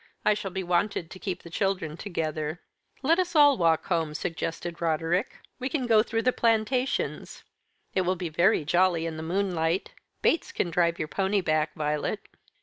"I shall be wanted to keep the children together." "Let us all walk home," suggested Roderick. "We can go through the plantations. It will be very jolly in the moonlight. Bates can drive your pony back, Violet."